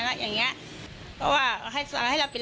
แฟนก็มาเขาก็มาแบบตามในคลิปนั้นเนี่ย